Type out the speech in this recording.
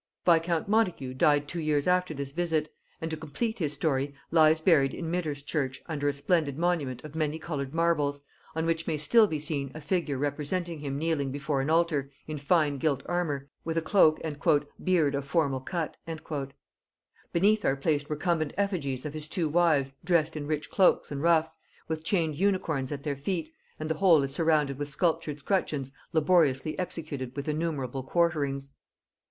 Viscount Montagu died two years after this visit, and, to complete his story, lies buried in Midhurst church under a splendid monument of many colored marbles, on which may still be seen a figure representing him kneeling before an altar, in fine gilt armour, with a cloak and "beard of formal cut." Beneath are placed recumbent effigies of his two wives dressed in rich cloaks and ruffs, with chained unicorns at their feet, and the whole is surrounded with sculptured scutcheons laboriously executed with innumerable quarterings.